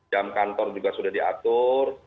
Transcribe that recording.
jam kantor juga sudah diatur